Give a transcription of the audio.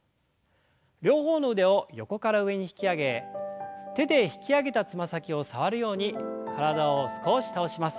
両方の腕を横から上に引き上げ手で引き上げたつま先を触るように体を少し倒します。